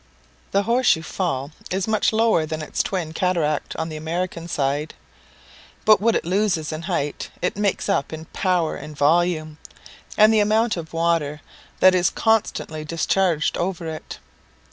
The Horse shoe Fall is much lower than its twin cataract on the American side; but what it loses in height, it makes up in power and volume, and the amount of water that is constantly discharged over it.